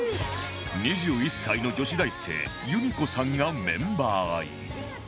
２１歳の女子大生ゆみこさんがメンバー入り